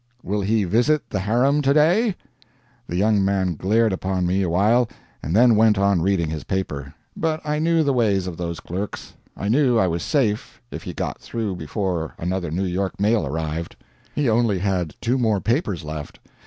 "Will he visit the harem to day?" The young man glared upon me awhile, and then went on reading his paper. But I knew the ways of those clerks. I knew I was safe if he got through before another New York mail arrived. He only had two more papers left.